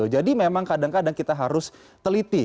jadi memang kadang kadang kita harus teliti